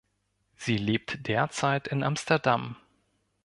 Sie lebt derzeit in Amsterdam.